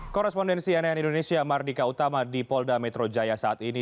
korespondensi nn indonesia mardika utama di polda metro jaya saat ini